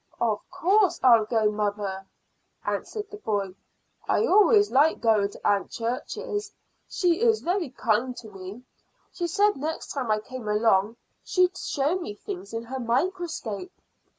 "Of course I'll go, mother," answered the boy. "I always like going to Aunt Church's; she is very kind to me. She said next time I came along she'd show me things in her microscope.